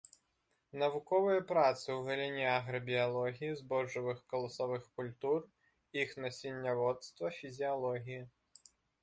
Навуковыя працы ў галіне аграбіялогіі збожжавых каласавых культур, іх насенняводства, фізіялогіі.